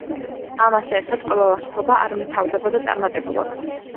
ამასთან ერთად, ყველა ლაშქრობა არ მთავრდებოდა წარმატებულად.